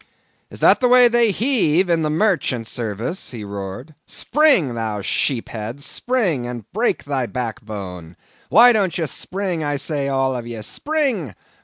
"Is that the way they heave in the marchant service?" he roared. "Spring, thou sheep head; spring, and break thy backbone! Why don't ye spring, I say, all of ye—spring!